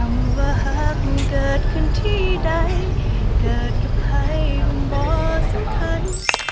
คำว่าหากมันเกิดขึ้นที่ใดเกิดกับไห้บนบอสุภัณฑ์